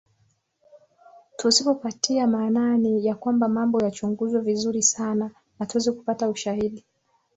tusipotia maanani ya kwamba mambo yachunguzwe vizuri sana na tuweze kupata ushahidi